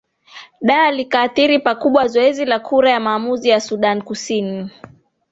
da likaathiri pakubwa zoezi la kura ya maamuzi ya sudan kusini